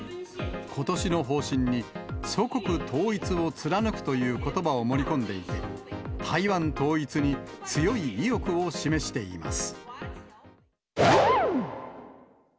ことしの方針に、祖国統一を貫くということばを盛り込んでいて、台湾統一に強い意欲を示しています。